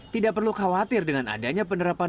tidak perlu khawatir dengan adanya penerapan